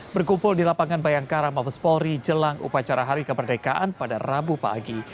berkumpul di lapangan bayangkara mabes polri jelang upacara hari kemerdekaan pada rabu pagi